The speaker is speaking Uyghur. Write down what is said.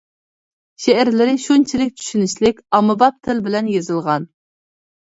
شېئىرلىرى شۇنچىلىك چۈشىنىشلىك، ئاممىباب تىل بىلەن يېزىلغان.